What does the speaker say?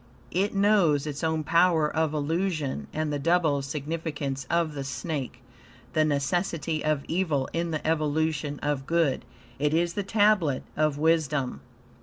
It knows its own power of illusion, and the double significance of the snake; the necessity of evil in the evolution of good. It is the Tablet of Wisdom.